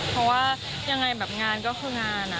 เพราะว่ายังไงแบบงานก็คืองาน